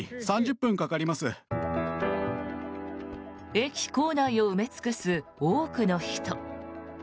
駅構内を埋め尽くす多くの人。